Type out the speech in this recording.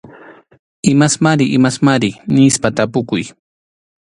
Imasmari imasmari nispa tapukuy.